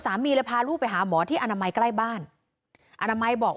สามีเลยพาลูกไปหาหมอที่อนามัยใกล้บ้านอนามัยบอก